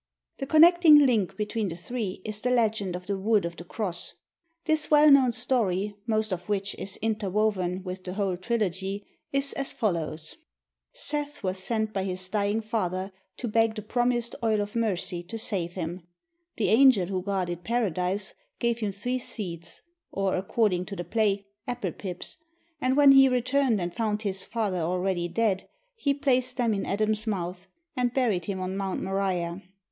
The connecting link between the three is the legend of the wood of the cross. This well known story, most of which is interwoven with the whole trilogy, is as follows: Seth was sent by his dying father to beg the promised Oil of Mercy to save him; the angel who guarded Paradise gave him three seeds, or, according to the play, apple pips; and when he returned and found his father already dead, he placed them in Adam's mouth and buried him on Mount Moriah.